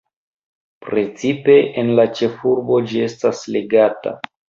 Precipe en la ĉefurbo ĝi estas legata.